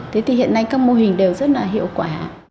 thế thì hiện nay các mô hình đều rất là hiệu quả